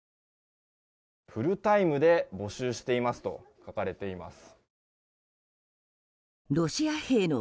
フルタイムで募集していますと書かれています。